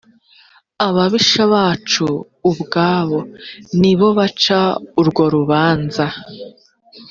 ababisha bacu ubwabo ni bo baca urwo rubanza.